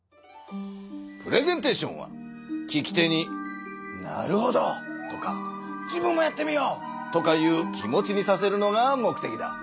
プレゼンテーションは聞き手に「なるほど！」とか「自分もやってみよう！」とかいう気持ちにさせるのが目てきだ。